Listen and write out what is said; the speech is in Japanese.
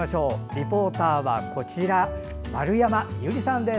リポーターは丸山裕理さんです。